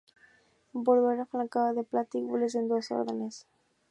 Bordura flanqueada de plata y gules en dos órdenes.